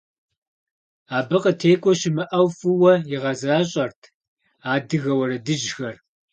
Абы къытекӀуэ щымыӀэу фӀыуэ игъэзащӀэрт адыгэ уэрэдыжьхэр.